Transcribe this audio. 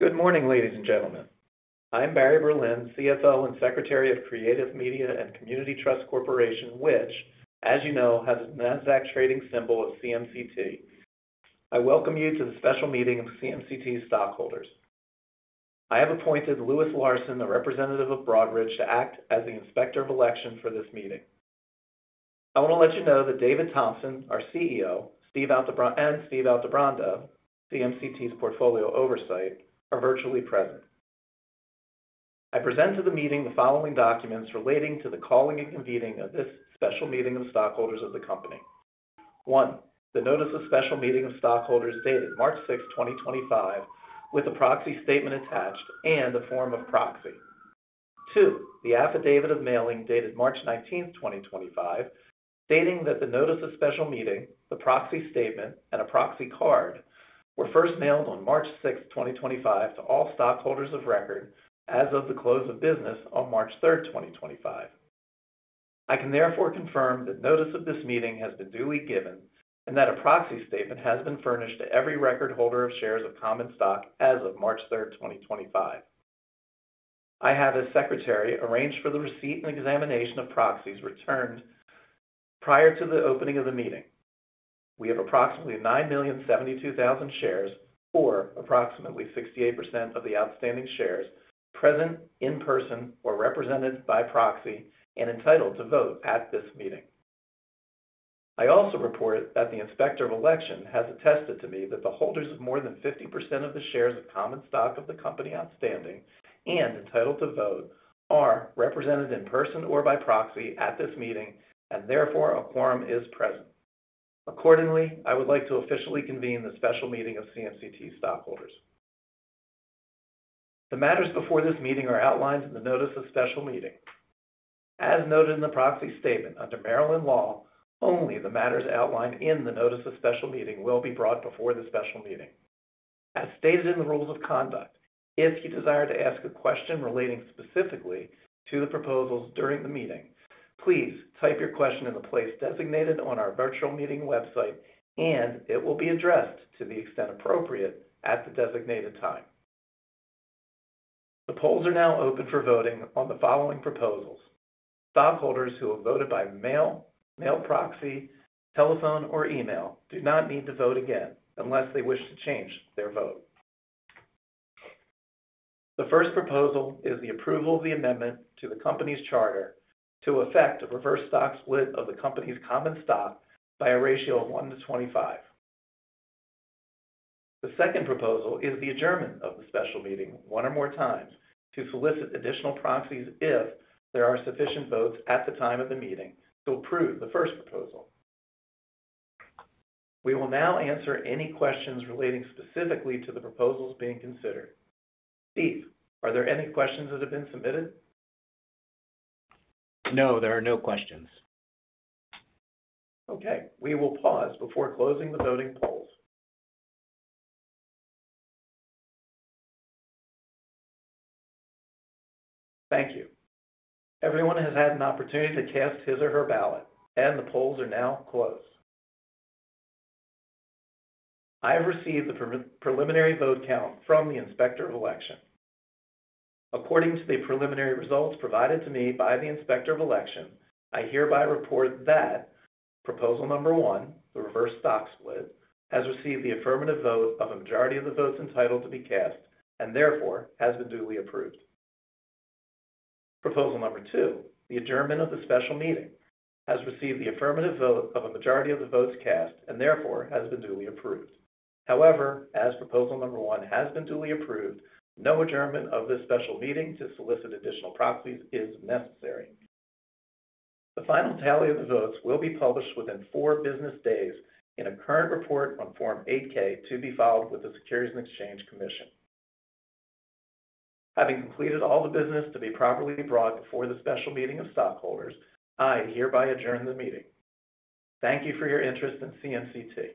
Good morning, ladies and gentlemen. I'm Barry Berlin, CFO and Secretary of Creative Media & Community Trust Corporation, which, as you know, has a NASDAQ trading symbol of CMCT. I welcome you to the special meeting of CMCT's stockholders. I have appointed Louis Larsen, the representative of Broadridge, to act as the inspector of election for this meeting. I want to let you know that David Thompson, our CEO, and Steve Altebrando, CMCT's portfolio oversight, are virtually present. I present to the meeting the following documents relating to the calling and convening of this special meeting of stockholders of the company: one, the notice of special meeting of stockholders dated March 6, 2025, with a proxy statement attached and a form of proxy. Two, the affidavit of mailing dated March 19, 2025, stating that the notice of special meeting, the proxy statement, and a proxy card were first mailed on March 6, 2025, to all stockholders of record as of the close of business on March 3, 2025. I can therefore confirm that notice of this meeting has been duly given and that a proxy statement has been furnished to every record holder of shares of Common Stock as of March 3, 2025. I have, as Secretary, arranged for the receipt and examination of proxies returned prior to the opening of the meeting. We have approximately 9,072,000 shares, or approximately 68% of the outstanding shares, present in person or represented by proxy and entitled to vote at this meeting. I also report that the inspector of election has attested to me that the holders of more than 50% of the shares of Common Stock of the company outstanding and entitled to vote are represented in person or by proxy at this meeting, and therefore a quorum is present. Accordingly, I would like to officially convene the special meeting of CMCT's stockholders. The matters before this meeting are outlined in the notice of special meeting. As noted in the proxy statement, under Maryland law, only the matters outlined in the notice of special meeting will be brought before the special meeting. As stated in the rules of conduct, if you desire to ask a question relating specifically to the proposals during the meeting, please type your question in the place designated on our virtual meeting website, and it will be addressed, to the extent appropriate, at the designated time. The polls are now open for voting on the following proposals. Stockholders who have voted by mail, mail proxy, telephone, or email do not need to vote again unless they wish to change their vote. The first proposal is the approval of the amendment to the company's charter to effect a reverse stock split of the company's common stock by a ratio of 1 to 25. The second proposal is the adjournment of the special meeting one or more times to solicit additional proxies if there are sufficient votes at the time of the meeting to approve the first proposal. We will now answer any questions relating specifically to the proposals being considered. Steve, are there any questions that have been submitted? No, there are no questions. Okay. We will pause before closing the voting polls. Thank you. Everyone has had an opportunity to cast his or her ballot, and the polls are now closed. I have received the preliminary vote count from the inspector of election. According to the preliminary results provided to me by the inspector of election, I hereby report that proposal number one, the reverse stock split, has received the affirmative vote of a majority of the votes entitled to be cast and therefore has been duly approved. Proposal number two, the adjournment of the special meeting, has received the affirmative vote of a majority of the votes cast and therefore has been duly approved. However, as proposal number one has been duly approved, no adjournment of this special meeting to solicit additional proxies is necessary. The final tally of the votes will be published within four business days in a current report on Form 8-K to be filed with the Securities and Exchange Commission. Having completed all the business to be properly brought before the special meeting of stockholders, I hereby adjourn the meeting. Thank you for your interest in CMCT.